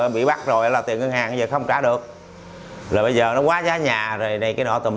bị bắt rồi là tiền ngân hàng bây giờ không trả được rồi bây giờ nó quá giá nhà rồi này cái nợ tùng